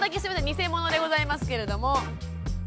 偽物でございますけれども。